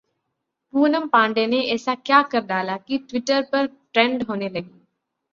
पूनम पांडे ने ऐसा क्या कर डाला कि ट्विटर पर ट्रेंड होने लगी!